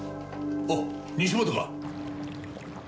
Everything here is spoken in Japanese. あっ西本か？